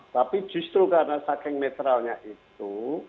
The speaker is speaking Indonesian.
tapi justru karena saking netralnya itu